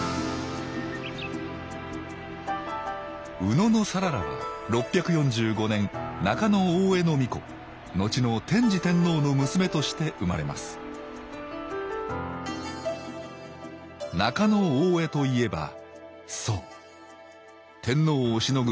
野讃良は６４５年中大兄皇子のちの天智天皇の娘として生まれます中大兄といえばそう天皇をしのぐ